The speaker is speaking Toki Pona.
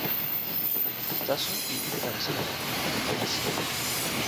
taso li ike tawa sina la, o kama sin